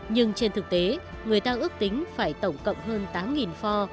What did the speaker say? nhưng trên thực tế người ta ước tính phải tổng cộng hơn tám pho